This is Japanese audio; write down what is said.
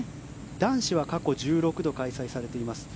男子は過去１６度開催されています。